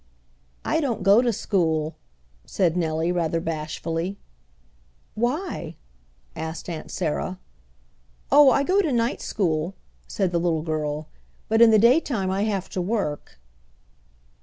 "I don't go to school," said Nellie rather bashfully. "Why?" asked Aunt Sarah. "Oh, I go to night school," said the little girl. "But in the daytime I have to work."